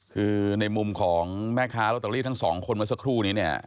คือในมุมของแม่ค้าและตักรีสทั้งต่างคนมาสักครู